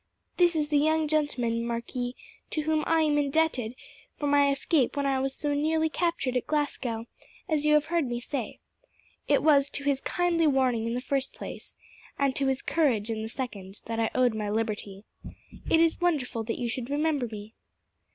This is the young gentleman, marquis, to whom I am indebted for my escape when I was so nearly captured at Glasgow, as you have heard me say. It was to his kindly warning in the first place, and to his courage in the second, that I owed my liberty. It is wonderful that you should remember me."